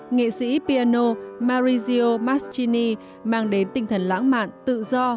nghệ sĩ piano maurizio mastrini mang đến tinh thần lãng mạn tự do